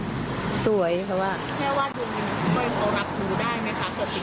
แม่ว่าดูนี่นะคุณก้อยเขารับรู้ได้ไหมคะเกิดสิ่งที่เกิดขึ้น